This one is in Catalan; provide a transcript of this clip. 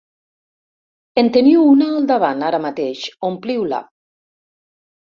En teniu una al davant, ara mateix: ompliu-la!